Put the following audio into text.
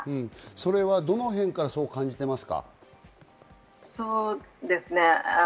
それはどのへんから感じていますか？